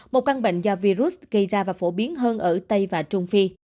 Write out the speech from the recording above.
một căn bệnh do virus gây ra và phổ biến hơn ở tây và trung phi